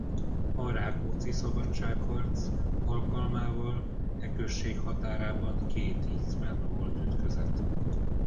A Rákóczy-szabadságharcz alkalmával e község határában két ízben volt ütközet.